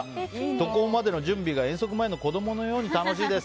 渡航までの準備が遠足前の子供のように楽しいです。